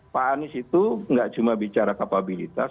pak anies itu nggak cuma bicara kapabilitas